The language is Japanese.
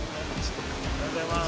おはようございます。